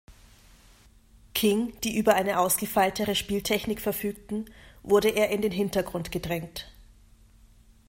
King, die über eine ausgefeiltere Spieltechnik verfügten, wurde er in den Hintergrund gedrängt.